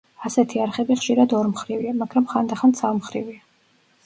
ასეთი არხები ხშირად ორმხრივია, მაგრამ ხანდახან ცალმხრივია.